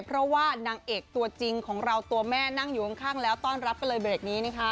เพราะว่านางเอกตัวจริงของเราตัวแม่นั่งอยู่ข้างแล้วต้อนรับกันเลยเบรกนี้นะคะ